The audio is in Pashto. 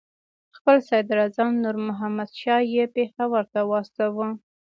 خپل صدراعظم نور محمد شاه یې پېښور ته واستاوه.